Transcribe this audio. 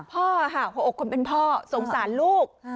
พ่อออกคนเป็นพ่อสงสารลูก